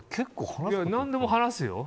何でも話すよ。